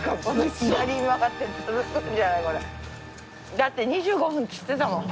だって２５分つってたもん。